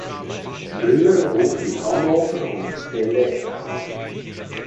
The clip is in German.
Müller wuchs in Hannover und Celle auf.